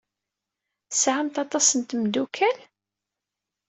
Tesɛamt aṭas n tmeddukal?